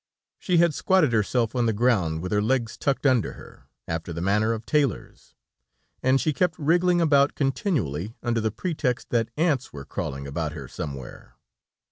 She had squatted herself on the ground, with her legs tucked under her, after the manner of tailors, and she kept wriggling about continually under the pretext that ants were crawling about her somewhere.